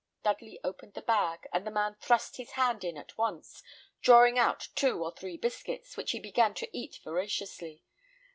Dudley opened the bag, and the man thrust his hand in at once, drawing out two or three biscuits, which he began to eat voraciously.